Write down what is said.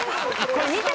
これ見て。